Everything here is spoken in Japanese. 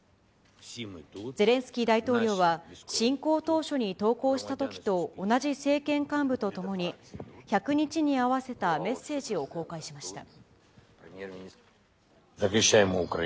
ゼレンスキー大統領は、侵攻当初に投稿したときと同じ政権幹部と共に、１００日に合わせたメッセージを公開しました。